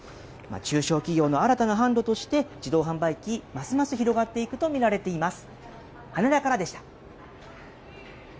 中小企業の新たな販路として自動販売機、ますます広がっていくとみられています。